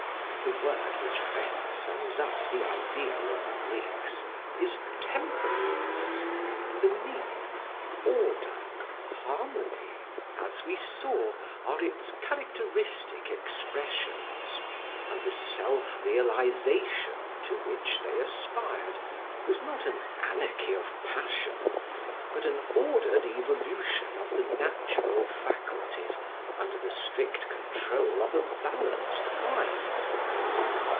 The word which best sums up the ideal of the Greeks is "temperance"; "the mean," "order," "harmony," as we saw, are its characteristic expressions; and the self realisation to which they aspired was not an anarchy of passion, but an ordered evolution of the natural faculties under the strict control of a balanced mind.